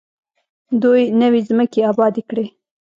دوی نوې ځمکې ابادې کړې.